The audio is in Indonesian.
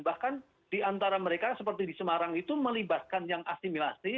bahkan di antara mereka seperti di semarang itu melibatkan yang asimilasi